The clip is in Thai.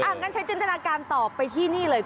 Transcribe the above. อ่ะงั้นฉันจันทนาการต่อไปที่นี่เลย